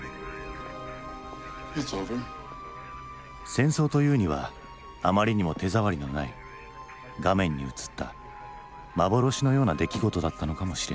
戦争というにはあまりにも手触りのない画面に映った幻のような出来事だったのかもしれない。